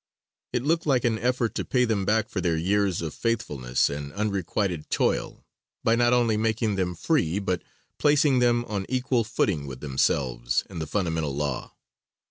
It looked like an effort to pay them back for their years of faithfulness and unrequited toil, by not only making them free but placing them on equal footing with themselves in the fundamental law.